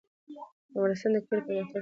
افغانستان کې د کلیو د پرمختګ هڅې شته.